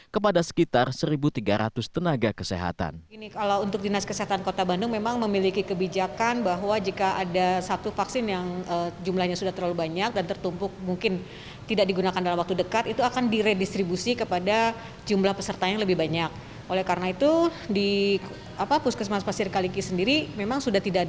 kepada sekitar satu tiga ratus orang